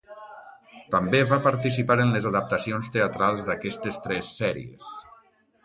També va participar en les adaptacions teatrals d'aquestes tres sèries.